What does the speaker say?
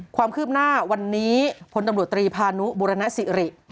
ความคืบหน้าวันนี้พลตำรวจตรีพานุบุรณสิริ